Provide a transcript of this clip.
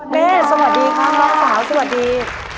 สวัสดีครับน้องสาวสวัสดี